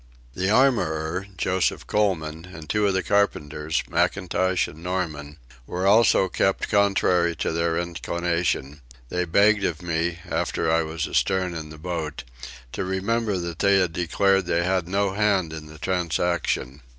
The armourer, Joseph Coleman, and two of the carpenters, McIntosh and Norman, were also kept contrary to their inclination; and they begged of me, after I was astern in the boat, to remember that they declared they had no hand in the transaction.